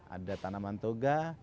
ada tanaman toga